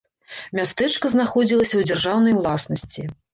Мястэчка знаходзілася ў дзяржаўнай уласнасці.